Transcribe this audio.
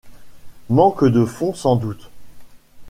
Manque de fonds sans doute.